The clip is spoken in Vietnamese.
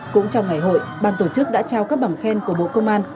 cũng trong ngày hội ban tổ chức đã trao các bằng khen của bộ công an